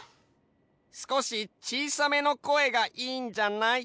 すこしちいさめの声がいいんじゃない？